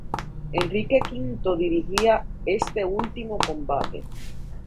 Enrique V dirigía este último combate.